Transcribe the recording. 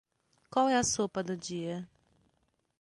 Qual é a sopa do dia?